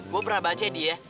gue pernah baca di ya